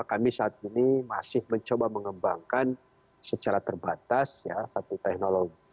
nah kami saat ini masih mencoba mengembangkan secara terbatas ya satu teknologi